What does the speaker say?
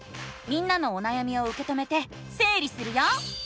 みんなのおなやみをうけ止めてせい理するよ！